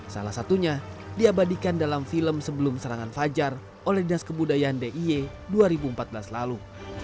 salah satunya diabadikan dalam film sebelum serangan fajar oleh dinas kebudayaan d i e dua ribu empat belas lalu